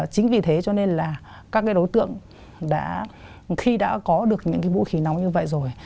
chính vì thế cho nên là các đối tượng đã khi đã có được những cái vũ khí nóng như vậy rồi